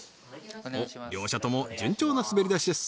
おっ両者とも順調な滑り出しです